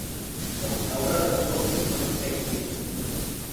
од Београда до испод Текијe